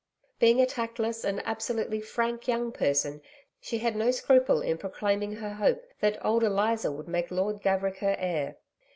Being a tactless and absolutely frank young person, she had no scruple in proclaiming her hope that 'old Eliza' would make Lord Gaverick her heir.